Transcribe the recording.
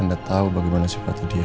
anda tahu bagaimana sifatnya dia